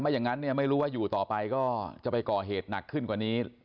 อย่างนั้นเนี่ยไม่รู้ว่าอยู่ต่อไปก็จะไปก่อเหตุหนักขึ้นกว่านี้